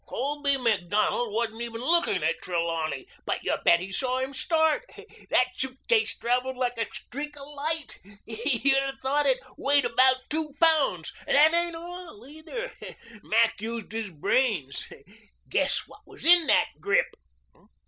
Colby Macdonald wasn't even looking at Trelawney, but you bet he saw him start. That suitcase traveled like a streak of light. You'd 'a' thought it weighed about two pounds. That ain't all either. Mac used his brains. Guess what was in that grip."